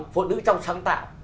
phụ nữ trong sáng tạo